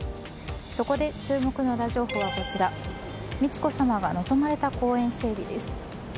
そこで注目のウラ情報は美智子さまが望まれた公園整備です。